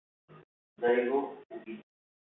Daigo Fujita